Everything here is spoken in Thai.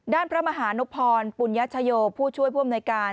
ด้านพระมหานพรปุญญชโชย์ผู้ช่วยพ่วงในการ